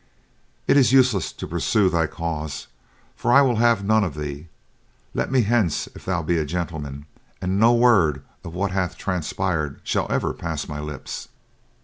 It is useless to pursue thy cause, for I will have none of thee. Let me hence, if thou be a gentleman, and no word of what hath transpired shall ever pass my lips.